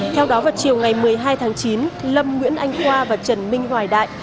theo đó vào chiều ngày một mươi hai tháng chín lâm nguyễn anh khoa và trần minh hoài đại